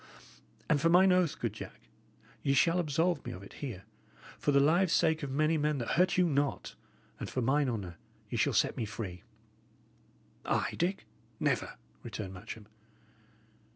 And for mine oath, good Jack, ye shall absolve me of it here. For the lives' sake of many men that hurt you not, and for mine honour, ye shall set me free." "I, Dick? Never!" returned Matcham.